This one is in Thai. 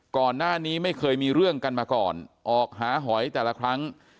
ก่อนหน้านี้ไม่เคยมีเรื่องกันมาก่อนออกหาหอยแต่ละครั้ง